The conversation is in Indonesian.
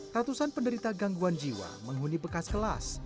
ratusan penderita gangguan jiwa menghuni bekas kelas